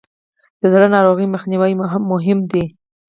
د زړه ناروغیو مخنیوی مهم دی.